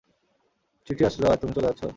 চিঠি আসলো আর তুমি চলে যাচ্ছো?